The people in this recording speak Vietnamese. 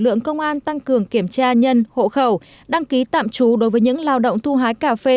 lực lượng công an tăng cường kiểm tra nhân hộ khẩu đăng ký tạm trú đối với những lao động thu hái cà phê